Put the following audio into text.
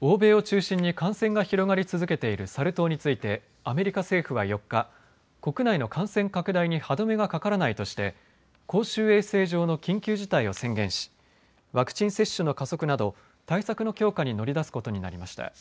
欧米を中心に感染が広がり続けているサル痘についてアメリカ政府は４日、国内の感染拡大に歯止めがかからないとして公衆衛生上の緊急事態を宣言しワクチン接種の加速など対策の強化に乗り出すことになりました。